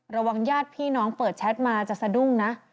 ญาติพี่น้องเปิดแชทมาจะสะดุ้งนะ